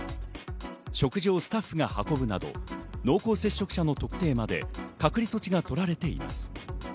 食事をスタッフが運ぶなど濃厚接触者の特定まで隔離措置が取られています。